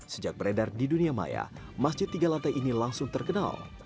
sejak beredar di dunia maya masjid tiga lantai ini langsung terkenal